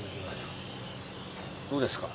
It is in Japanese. どうですか？